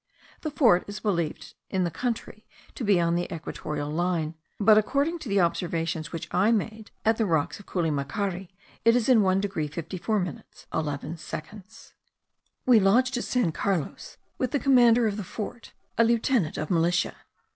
The fort is believed in the country to be on the equatorial line; but, according to the observations which I made at the rocks of Culimacari, it is in 1 degree 54 minutes 11 seconds. We lodged at San Carlos with the commander of the fort, a lieutenant of militia.